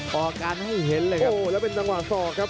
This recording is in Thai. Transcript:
ผลการคุกของทุกคนครับ